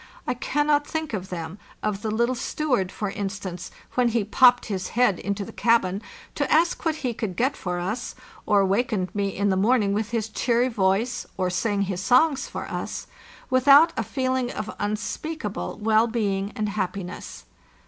I cannot think of them—of the little steward, for instance, when he popped his head into the cabin to ask what he could get for us, or wakened me in the morning with his cheery voice, or sang his songs for us—without a feeling of unspeakable well being and_ happiness.